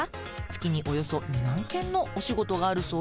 月におよそ２万件のお仕事があるそうよ。